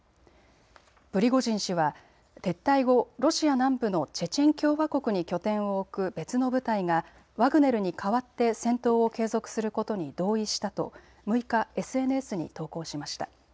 プリゴジン氏は撤退後、ロシア南部のチェチェン共和国に拠点を置く別の部隊がワグネルに替わって戦闘を継続することに同意したと６日、ＳＮＳに投稿しました。